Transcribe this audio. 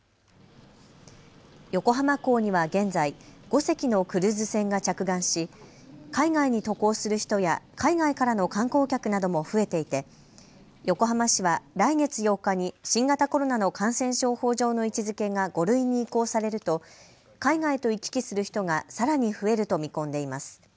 横浜港には現在、５隻のクルーズ船が着岸し海外に渡航する人や海外からの観光客なども増えていて横浜市は来月８日に新型コロナの感染症法上の位置づけが５類に移行されると海外と行き来する人がさらに増えると見込んでいます。